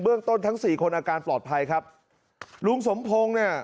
ต้นทั้งสี่คนอาการปลอดภัยครับลุงสมพงศ์เนี่ย